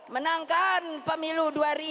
menangkan pemilu dua ribu dua puluh